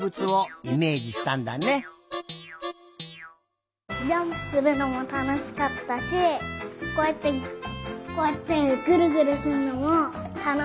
ジャンプするのもたのしかったしこうやってこうやってぐるぐるするのもたのしかった。